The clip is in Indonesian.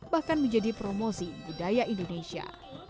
bahkan menjadi promosi budaya indonesia